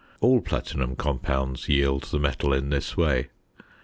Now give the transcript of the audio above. All platinum compounds yield the metal in this way.